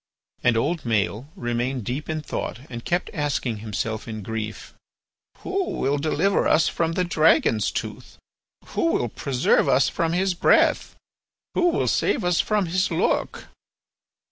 And old Maël remained deep in thought and kept asking himself in grief: "Who will deliver us from the dragon's tooth? Who will preserve us from his breath? Who will save us from his look?"